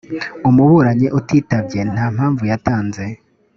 umuburanyi utitabye nta mpamvu yatanze